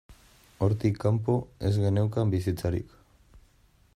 Hortik kanpo, ez geneukan bizitzarik.